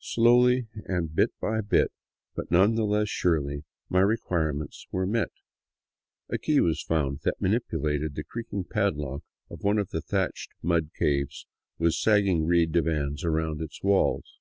Slowly and bit by bit, but none the less surely, my requirements were met. A key was found that manipulated the creaking padlock of one of the thatched mud caves with sagging reed divans around its walls.